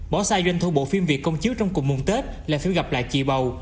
bỏ sai doanh thu bộ phim việt công chiếu trong cùng mùng tết là phim gặp lại chị bầu